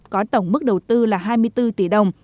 có tổng mức đầu tư là hai mươi bốn tỷ đồng